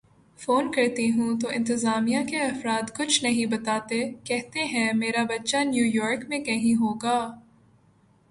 phone کرتی ہوں تو انتظامیہ کے افراد کچھ نہیں بتاتے کہتے ہیں میرا بچہ نیویارک میں کہیں ہوگا